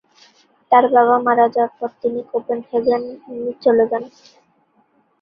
তার বাবা মারা যাওয়ার পর তিনি কোপেনহেগেনে চলে আসেন।